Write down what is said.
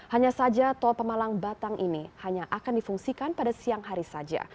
hanya saja tol pemalang batang ini hanya akan difungsikan pada siang hari saja